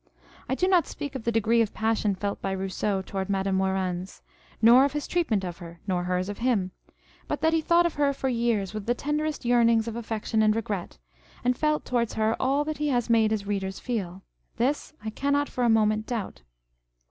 I do not speak of the degree of passion felt by Rousseau towards Madame Warens, nor of his treatment of her, nor hers of him: but that he thought of her for years with the tenderest yearnings of affection and regret, and felt towards her all that he has made his readers feel, this I cannot for a moment doubt.